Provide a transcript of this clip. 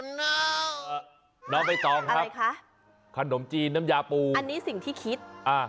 น้องใบตองครับอะไรคะขนมจีนน้ำยาปูอันนี้สิ่งที่คิดอ่า